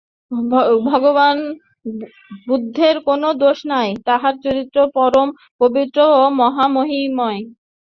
ভগবান বুদ্ধের কোন দোষ নাই, তাঁহার চরিত্র পরম পবিত্র ও মহামহিমময়।